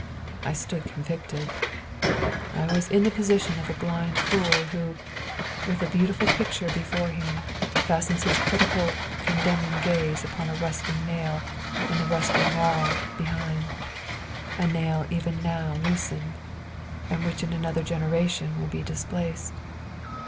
I stood convicted; I was in the position of a blind fool who, with a beautiful picture before him, fastens his critical, condemning gaze upon a rusting nail in the rusting wall behind, a nail even now loosened, and which in another generation will be displaced.